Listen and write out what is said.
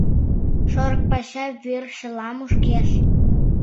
Шорыкпача вӱр чыла мушкеш...